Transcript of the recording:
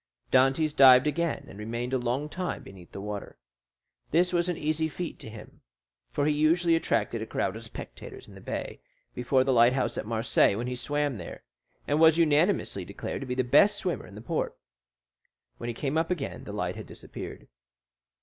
Dantès dived again, and remained a long time beneath the water. This was an easy feat to him, for he usually attracted a crowd of spectators in the bay before the lighthouse at Marseilles when he swam there, and was unanimously declared to be the best swimmer in the port. When he came up again the light had disappeared.